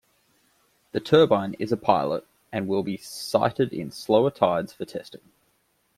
The turbine is a pilot, and will be sited in slower tides for testing.